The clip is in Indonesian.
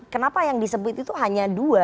kenapa yang disebut itu hanya dua